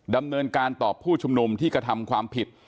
ดำเนินการต่อผู้ชุมนุมที่กระทำความผิด